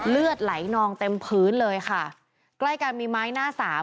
เลือดไหลนองเต็มพื้นเลยค่ะใกล้กันมีไม้หน้าสาม